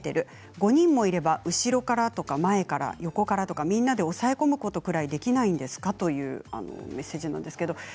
５人もいれば、後ろからとか前から横からとかみんなで抑え込むことぐらいできないんですかというメッセージです。